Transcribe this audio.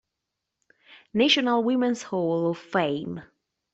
National Women's Hall of Fame.